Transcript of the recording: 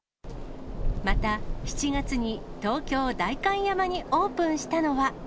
また７月に東京・代官山にオープンしたのは。